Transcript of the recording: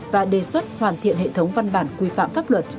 và đề xuất hoàn thiện hệ thống văn bản quy phạm pháp luật